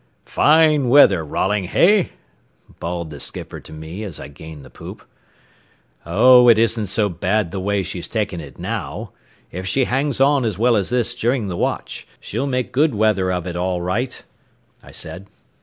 "Fine weather, Rolling, hey?" bawled the skipper to me as I gained the poop. "Oh, it isn't so bad the way she's taking it now. If she hangs on as well as this during the watch, she'll make good weather of it all right," I said.